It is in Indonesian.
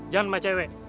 jangan sama cewek